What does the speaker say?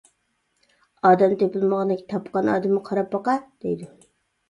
ئادەم تېپىلمىغاندەك تاپقان ئادىمىگە قاراپ باقە، دەيدۇ.